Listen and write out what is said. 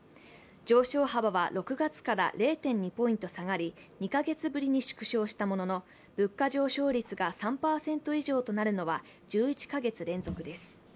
上昇幅は６月から０．２ポイント下がり、２か月ぶりに縮小したものの、物価上昇率が３％以上となるのは１１か月連続です。